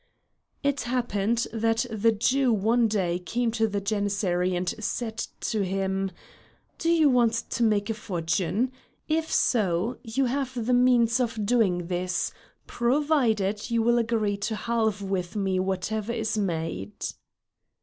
It happened that a Jew one day came to the Janissary and said to him: "Do you want to make a fortune? if so, you have the means of doing this, provided you will agree to halve with me whatever is made."